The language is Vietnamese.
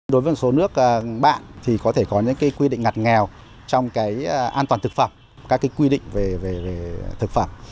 đối với một số nước bạn thì có thể có những quy định ngặt nghèo trong an toàn thực phẩm các quy định về thực phẩm